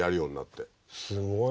すごい。